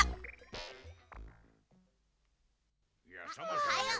おはよう。